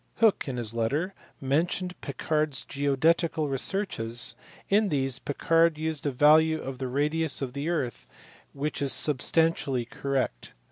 Hooke in his letter mentioned Picard s geodetical researches ; in these Picard used a value of the radius of the earth which is DISCOVERIES IN 1679. substantially correct.